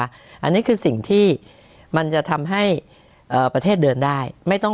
อันนี้คือสิ่งที่มันจะทำให้ประเทศเดินได้ไม่ต้อง